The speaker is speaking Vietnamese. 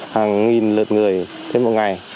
hàng nghìn lượt người trên một ngày